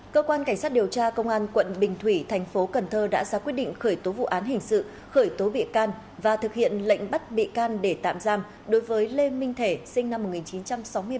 cơ quan cảnh sát điều tra công an quận bình thủy thành phố cần thơ đã ra quyết định khởi tố vụ án hình sự khởi tố bị can và thực hiện lệnh bắt bị can để tạm giam đối với lê minh thể sinh năm một nghìn chín trăm sáu mươi ba